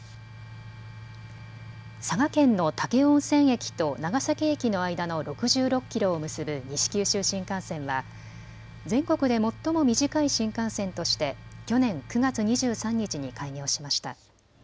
佐賀県の武雄温泉駅と長崎駅の間の６６キロを結ぶ西九州新幹線は全国で最も短い新幹線として去年９月２３日に開業しました。